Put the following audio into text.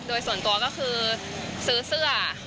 โดยส่วนตัวก็คือซื้อเสื้อ